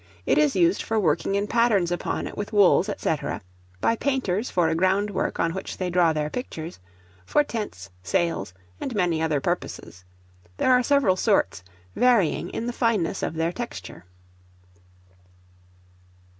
It is used for working in patterns upon it with wools, &c. by painters for a ground work on which they draw their pictures; for tents, sails, and many other purposes. There are several sorts, varying in the fineness of their texture.